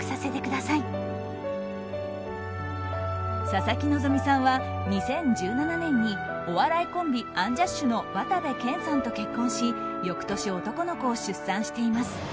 佐々木希さんは２０１７年にお笑いコンビ・アンジャッシュの渡部建さんと結婚し翌年、男の子を出産しています。